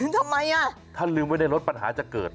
ทำไมอ่ะถ้าลืมไว้ในรถปัญหาจะเกิด